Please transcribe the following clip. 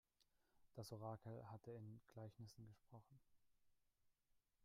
Das Orakel hatte in Gleichnissen gesprochen.